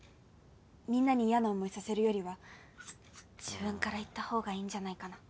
みんなに嫌な思いさせるよりは自分から言った方がいいんじゃないかな。